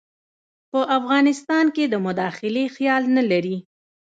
په افغانستان کې د مداخلې خیال نه لري.